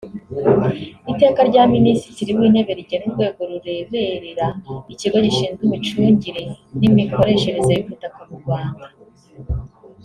Iteka rya Minisitiri w’Intebe rigena Urwego rureberera Ikigo Gishinzwe Imicungire n’Imikoreshereze y’Ubutaka mu Rwanda